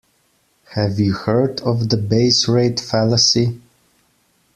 Have you heard of the base rate fallacy?